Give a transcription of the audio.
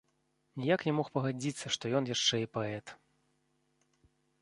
Ніяк не мог пагадзіцца, што ён яшчэ і паэт.